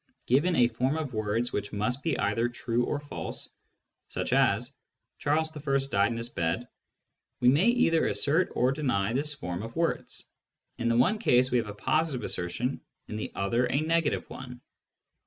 Given a form of words which must be either true or false, such as " Charles I. died in his bed," we may either assert or deny this form of words : in the one case we have a positive assertion, in the other a 'negative one.